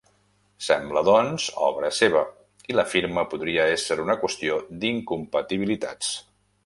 Sembla doncs, obra seva i la firma podria ésser una qüestió d'incompatibilitats.